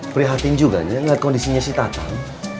prihatin juga nih ngeliat kondisinya si tatang